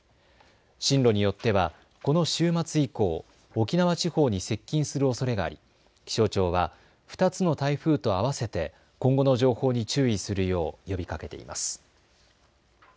進路によってはこの週末以降、沖縄地方に接近するおそれがあり気象庁は２つの台風とあわせて今後の情報に注意するよう呼びかけています。